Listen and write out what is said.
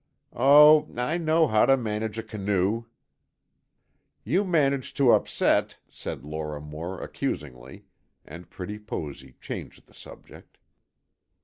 "Oh, I know how to manage a canoe." "You managed to upset," said Lora Moore, accusingly, and pretty Posy changed the subject.